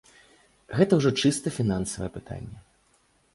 Гэта ўжо чыста фінансавае пытанне.